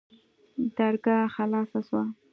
درګاه خلاصه سوه.